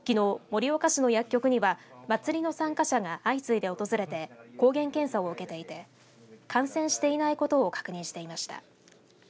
盛岡市の薬局には祭りの参加者が相次いで訪れて抗原検査を受けていて感染していないことを確認していました。